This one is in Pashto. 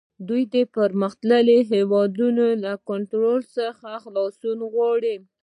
دوی د پرمختللو هیوادونو له کنټرول څخه خلاصون غواړي